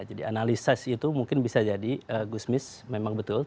jadi analisa itu mungkin bisa jadi gusmis memang betul